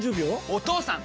お義父さん！